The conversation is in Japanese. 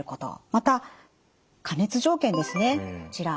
また加熱条件ですねこちら。